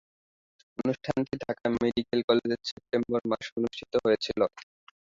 অনুষ্ঠানটি ঢাকা মেডিকেল কলেজে সেপ্টেম্বর মাসে অনুষ্ঠিত হয়েছিলো।